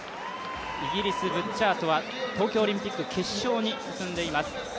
イギリス、ブッチャートは東京オリンピック決勝に進んでいます。